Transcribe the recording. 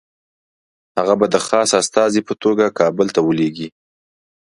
هغه به د خاص استازي په توګه کابل ته ولېږي.